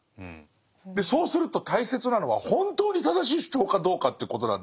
でそうすると大切なのは本当に正しい主張かどうかっていうことなんだけど。